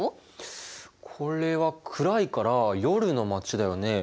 これは暗いから夜の街だよね。